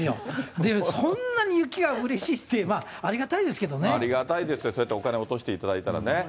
でも、そんなに雪がうれしいって、まあ、ありがたいですよ、そうやってお金落としていただいたらね。